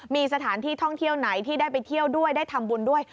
มีสถานที่ท่องเที่ยวไหนที่ได้ไปเที่ยวด้วยได้ทำบุญด้วย